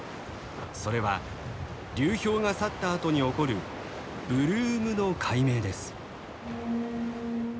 それは流氷が去ったあとに起こるブルームの解明です。